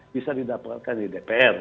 bisa didapatkan di dpr